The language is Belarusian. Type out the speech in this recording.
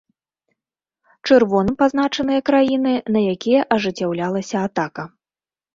Чырвоным пазначаныя краіны, на якія ажыццяўлялася атака.